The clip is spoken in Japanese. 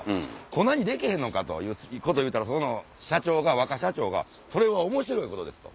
粉にできへんのか？ということ言ったらその社長が若社長が「それは面白いことです」と。